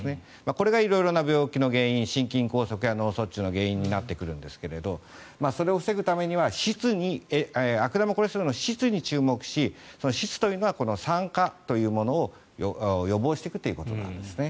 これがいろいろな病気の原因心筋梗塞や脳卒中の原因になってくるんですがそれを防ぐためには悪玉コレステロールの質に注目し質というのは酸化を予防していくということです。